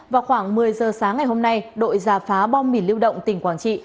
vào khoảng một mươi giờ sáng ngày hôm nay đội giả phá bom mìn lưu động tỉnh quảng trị